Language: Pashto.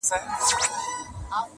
چي بل چاته څوک کوهی کیني ورلویږي -